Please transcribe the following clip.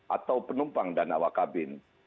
atau penumpang dan awak kabin